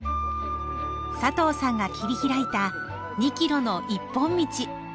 佐藤さんが切り拓いた２キロの一本道。